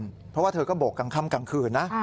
เพราะว่าเธอก็โบกกลางค่ำกลางคืนนะ